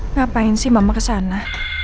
ngapain sih mama kesana